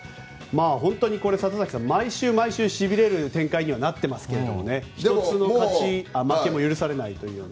本当に里崎さん、毎週毎週しびれる展開にはなってますが１つの負けも許されないというような。